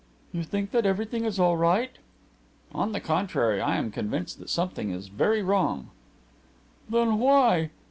"You think that everything is all right?" "On the contrary, I am convinced that something is very wrong." "Then why